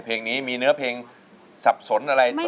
เพลงนี้มีเนื้อเพลงสับสนอะไร